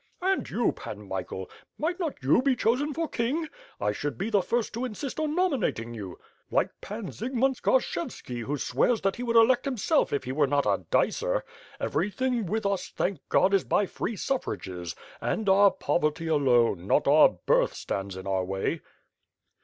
"And you, Pan Michael, might not you be chosen for king? I should be the first to insist on nominating you; like Pan Zygmunt Skarshevski who swears that he would elect himself if he were not a dicer. Everything with us thank God is by free suffrages; and our poverty, alone, not our birth, stands in our way."